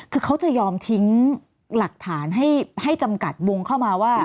คือเขาจะยอมทิ้งหลักฐานให้จำกัดวงเข้ามาว่า